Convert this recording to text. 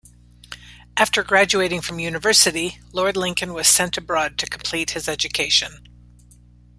After graduating from university, Lord Lincoln was sent abroad to complete his education.